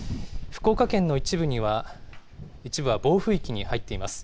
福岡県の一部は暴風域に入っています。